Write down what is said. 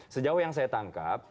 sejauh yang saya tangkap